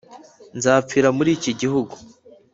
Nzapfira muri iki gihugu.